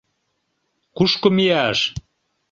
Кушко мияш?